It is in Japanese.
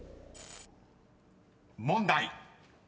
［問題］